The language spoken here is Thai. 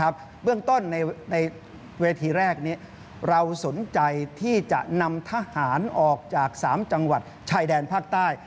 เบื้องต้นในเวทีแรกเราสนใจที่จะนำทหารออกจาก๓จังหวัดชายแดนภาคใต้